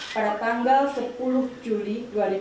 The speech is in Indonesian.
pada tanggal sepuluh juli dua ribu enam belas